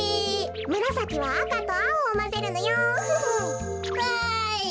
むらさきはあかとあおをまぜるのよ。わい！